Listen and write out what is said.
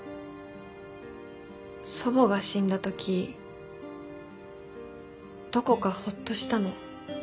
祖母が死んだ時どこかホッとしたの。